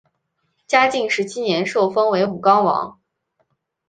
嘉靖十七年受封为武冈王。